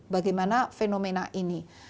bagaimana fenomena ini